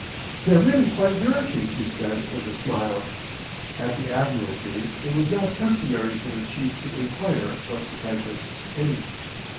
"They're really quite nourishing," she said with a smile. At the Admiralty it was not customary for the chiefs to enquire what the typists ate.